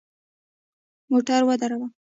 موټر ودروه !